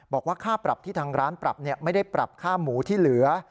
บอกว่าค่าปรับที่ทางร้านปรับไม่ได้ปรับค่าหมูที่เหลือ